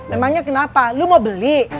memangnya kenapa lu mau beli